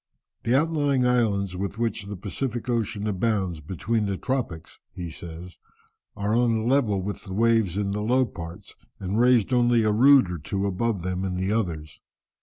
"The outlying islands with which the Pacific Ocean abounds between the tropics," he says, "are on a level with the waves in the low parts, and raised only a rood or two above them in the others.